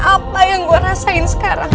apa yang gue rasain sekarang